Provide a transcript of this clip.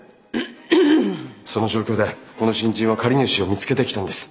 その状況でこの新人は借り主を見つけてきたんです。